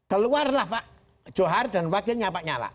keluarlah pak johar dan wakilnya pak nyala